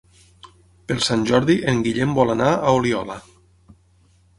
Per Sant Jordi en Guillem vol anar a Oliola.